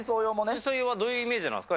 水槽用はどういうイメージなんですか？